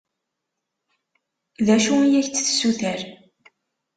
D acu i ak-d-tessuter?